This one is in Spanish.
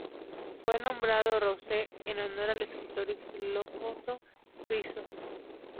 Fue nombrado Rousseau en honor al escritor y filósofo suizo Jean-Jacques Rousseau.